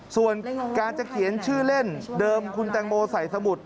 ส่วนการจะเขียนชื่อเล่นเดิมคุณแตงโมใส่สมุด